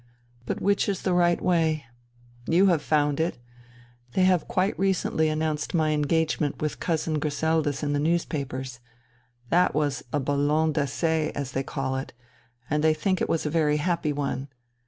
But which is the right way? You have found it. They have quite recently announced my engagement with Cousin Griseldis in the newspapers. That was a ballon d'essai, as they call it, and they think it was a very happy one.